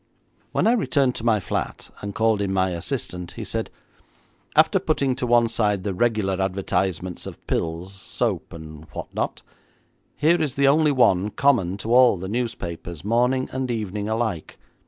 When I returned to my flat and called in my assistant, he said, 'After putting to one side the regular advertisements of pills, soap, and what not, here is the only one common to all the newspapers, morning and evening alike.